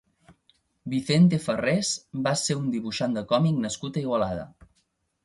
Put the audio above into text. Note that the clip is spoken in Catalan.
Vicente Farrés va ser un dibuixant de còmic nascut a Igualada.